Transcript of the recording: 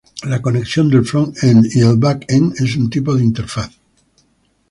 La conexión del front-end y el back-end es un tipo de interfaz.